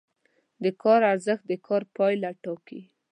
د کار ارزښت د کار پایله ټاکي.